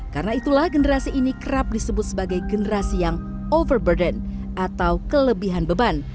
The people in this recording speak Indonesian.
karena itulah generasi ini kerap disebut sebagai generasi yang overburden atau kelebihan beban